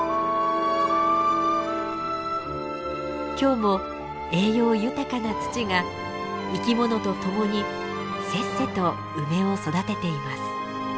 今日も栄養豊かな土が生き物と共にせっせと梅を育てています。